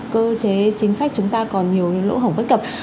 cơ chế chính sách chúng ta còn nhiều lỗ hổng bất cập